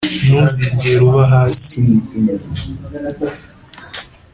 ntuzigera uba hasi.